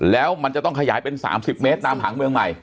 แล้วมันจะต้องขยายเป็น๓๐เมตรตามหางเมืองใหม่